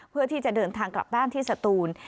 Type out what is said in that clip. เพื่อที่จะเดินทางกลับบ้านที่สตูน